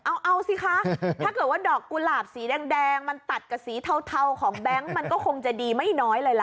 เอาสิคะถ้าเกิดว่าดอกกุหลาบสีแดงมันตัดกับสีเทาของแบงค์มันก็คงจะดีไม่น้อยเลยล่ะ